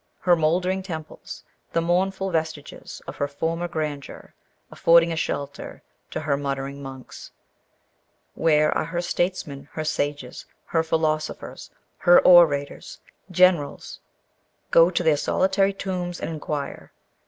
Her mouldering temples, the mournful vestiges of her former grandeur, afford a shelter to her muttering monks. Where are her statesmen, her sages, her philosophers, her orators, generals? Go to their solitary tombs and inquire.